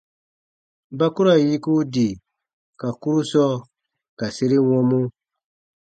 Ba ku ra yiku di ka kurusɔ ka sere wɔmu.